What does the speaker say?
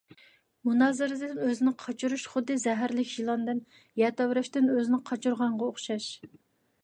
مۇنازىرىدىن ئۆزىنى قاچۇرۇش خۇددى زەھەرلىك يىلاندىن، يەر تەۋرەشتىن ئۆزىنى قاچۇرغانغا ئوخشاش.